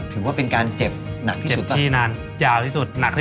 ถือว่าเป็นการเจ็บหนักที่สุดนะ